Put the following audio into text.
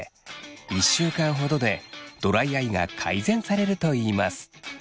１週間ほどでドライアイが改善されるといいます。